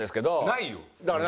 ないよ！